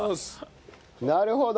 なるほど。